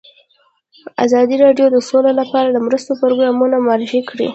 ازادي راډیو د سوله لپاره د مرستو پروګرامونه معرفي کړي.